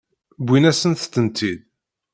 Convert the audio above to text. Wwin-asent-tent-id.